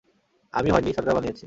আমি হয়নি, সরকার বানিয়েছে।